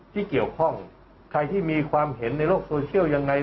ที่เกี่ยวข้องใครที่มีความเห็นในโลกโซเชียลยังไง